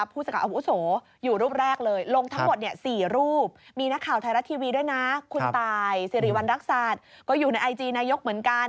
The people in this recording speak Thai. ผู้สื่อข่าวพูดขาวอ